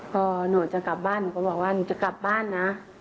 พอหนูจะกลับบ้านหนูก็บอกว่าหนูจะกลับบ้านนะ